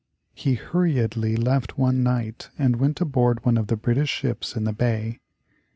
He hurriedly left one night and went aboard one of the British ships in the bay.